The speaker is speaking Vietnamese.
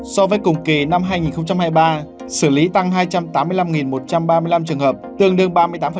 so với cùng kỳ năm hai nghìn hai mươi ba xử lý tăng hai trăm tám mươi năm một trăm ba mươi năm trường hợp tương đương ba mươi tám